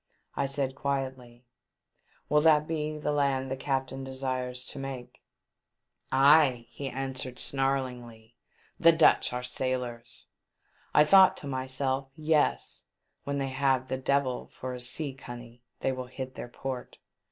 I said, quietly, " Will that be the land the captain desires to make ?" 454 THE DEATH SHIP. ''Ay, he answered, snarlingly, "the Dutch are sailors." I thought to myself, yes, when they have the Devil for a sea cunny they will hit their port.